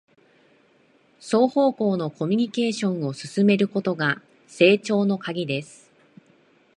双方向のコミュニケーションを進めることが成長のカギです